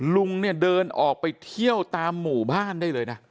ลุงเนี่ยเดินออกไปเที่ยวตามหมู่บ้านได้เลยนะ